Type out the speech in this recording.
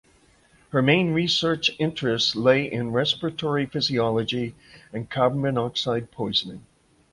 Her main research interests lay in respiratory physiology and carbon monoxide poisoning.